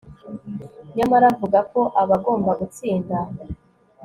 Nyamara avuga ko abagomba gutsinda